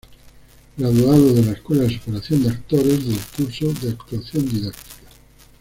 Graduado de la Escuela de Superación de actores, del Curso de Actuación didáctica.